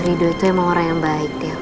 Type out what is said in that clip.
rido itu emang orang yang baik deo